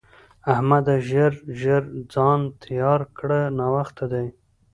احمده! ژر ژر ځان تيار کړه؛ ناوخته دی.